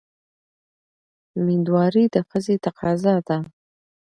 مېندواري د ښځې تقاضا ده.